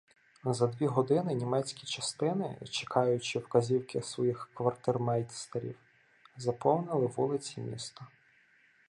За дві години німецькі частини, чекаючи вказівки своїх квартирмейстерів, заповнили вулиці міста.